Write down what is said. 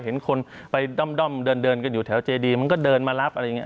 เห็นคนไปด้อมเดินกันอยู่แถวเจดีมันก็เดินมารับอะไรอย่างนี้